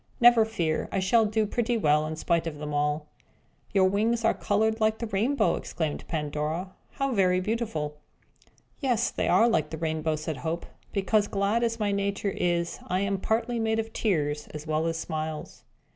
Never fear! we shall do pretty well in spite of them all." "Your wings are coloured like the rainbow!" exclaimed Pandora. "How very beautiful!" "Yes, they are like the rainbow," said Hope, "because, glad as my nature is, I am partly made of tears as well as smiles."